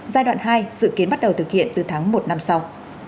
giai đoạn hai dự kiến bắt đầu thực hiện từ tháng một năm sau